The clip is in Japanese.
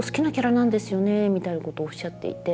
みたいなことをおっしゃっていて。